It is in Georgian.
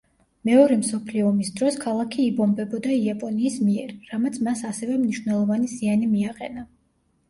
მეორე მსოფლიო ომის დროს ქალაქი იბომბებოდა იაპონიის მიერ, რამაც მას ასევე მნიშვნელოვანი ზიანი მიაყენა.